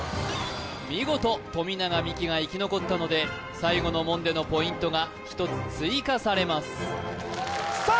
見事富永美樹が生き残ったので最後の門でのポイントが１つ追加されますさあ